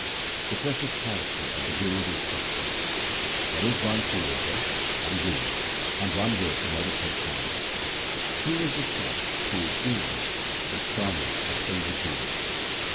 The precious character of the Guru's instruction :— There is one Creator, one Guru, and one Word to medi tate on. True is the shop, 2 true its dealings ; 3 its garners are filled with jewels.